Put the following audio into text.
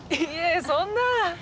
いえそんな。